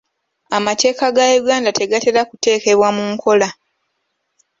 Amateeka ga Uganda tegatera kuteekebwa mu nkola.